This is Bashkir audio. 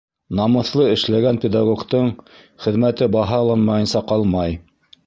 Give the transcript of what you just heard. Намыҫлы эшләгән педагогтың хеҙмәте баһаланмайынса ҡалмай.